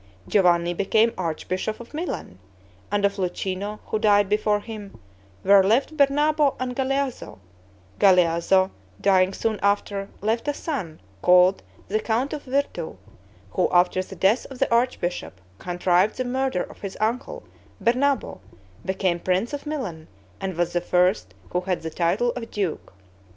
Giovanni became archbishop of Milan; and of Luchino, who died before him, were left Bernabo and Galeazzo; Galeazzo, dying soon after, left a son called the Count of Virtu, who after the death of the archbishop, contrived the murder of his uncle, Bernabo, became prince of Milan, and was the first who had the title of duke.